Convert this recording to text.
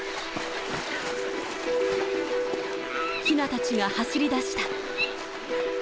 ヒナたちが走りだした。